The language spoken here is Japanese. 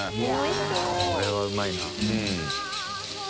これはうまいな。